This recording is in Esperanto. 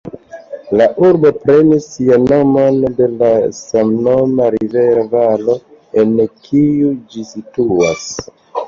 La urbo prenis sian nomon de la samnoma rivera valo, en kiu ĝi situas.